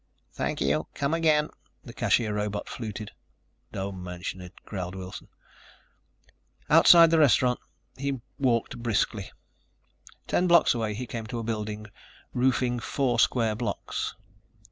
"Thank you, come again," the cashier robot fluted. "Don't mention it," growled Wilson. Outside the restaurant he walked briskly. Ten blocks away he came to a building roofing four square blocks.